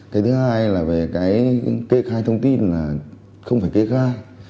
cái thứ hai là về cái kê khai thông tin là không phải kê khai